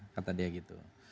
kata dia gitu